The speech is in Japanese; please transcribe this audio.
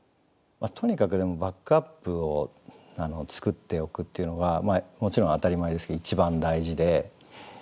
とにかくでもバックアップを作っておくっていうのがもちろん当たり前ですけど一番大事で。